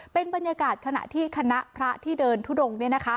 เป็นบรรยากาศขณะที่คณะพระที่เดินทุดงเนี่ยนะคะ